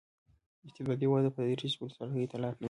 استبدادي وده به په تدریج ولسواکۍ ته لار پرانېزي.